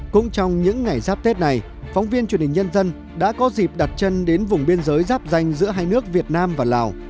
cũng trong những ngày giáp tết này phóng viên truyền hình nhân dân đã có dịp đặt chân đến vùng biên giới giáp danh giữa hai nước việt nam và lào